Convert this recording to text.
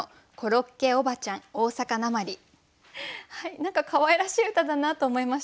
何かかわいらしい歌だなと思いました。